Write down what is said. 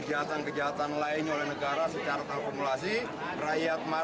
kartun kartun sekian banyak bertrek trek seolah olah bukti ke sana